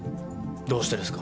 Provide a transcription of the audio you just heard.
どうしてですか？